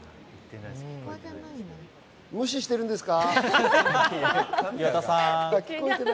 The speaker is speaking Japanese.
無視してるんですか？